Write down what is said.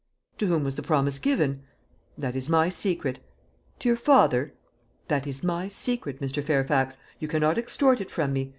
"To whom was the promise given?" "That is my secret." "To your father?" "That is my secret, Mr. Fairfax. You cannot extort it from me.